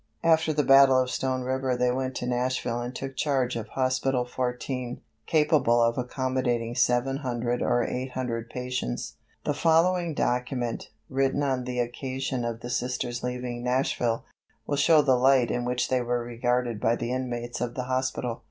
After the battle of Stone River they went to Nashville and took charge of Hospital 14, capable of accommodating 700 or 800 patients. The following document, written on the occasion of the Sisters leaving Nashville, will show the light in which they were regarded by the inmates of the hospital.